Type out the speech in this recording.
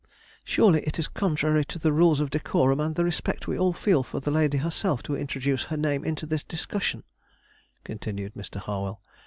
"Surely it is contrary to the rules of decorum and the respect we all feel for the lady herself to introduce her name into this discussion," continued Mr. Harwell.